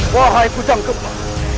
wahai kujang kembar